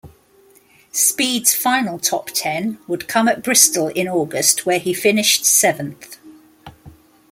Speed's final top ten would come at Bristol in August where he finished seventh.